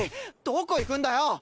どこ行くんだよ